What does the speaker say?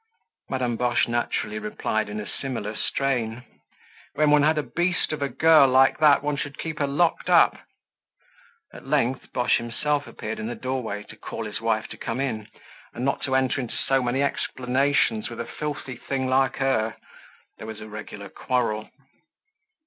Madame Boche naturally replied in a similar strain. When one had a beast of a girl like that one should keep her locked up. At length Boche himself appeared in the doorway to call his wife to come in and not to enter into so many explanations with a filthy thing like her. There was a regular quarrel.